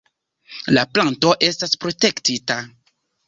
La planto estas protektita.